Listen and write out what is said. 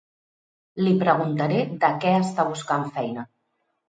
Li preguntaré de què està buscant feina